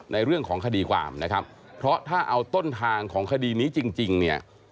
ในเรื่องของคดีความนะครับเพราะถ้าเอาต้นทางของคดีนี้จริงเนี่ย